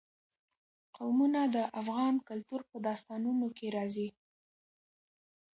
قومونه د افغان کلتور په داستانونو کې راځي.